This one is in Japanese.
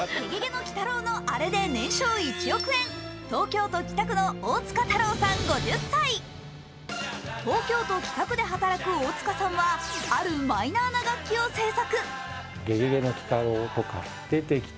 東京都北区で働く大塚さんは、あるマイナーな楽器を製作。